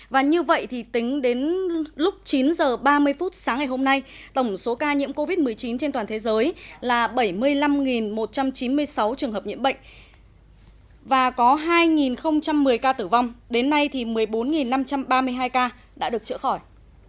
và như vậy thì tính đến lúc chín h ba mươi phút sáng ngày hôm nay tổng số ca nhiễm covid một mươi chín trên toàn thế giới là bảy mươi năm một trăm chín mươi sáu trường hợp nhiễm bệnh và có hai một mươi ca tử vong đến nay thì một mươi bốn năm trăm ba mươi hai ca đã được chữa khỏi